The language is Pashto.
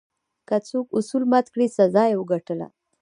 که څوک اصول مات کړل، سزا یې وګټله.